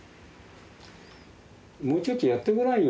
もうちょっとやってごらんよ。